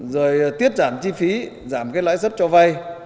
rồi tiết giảm chi phí giảm cái lãi suất cho vay